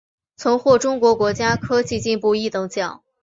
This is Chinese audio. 曾获中国国家科技进步一等奖。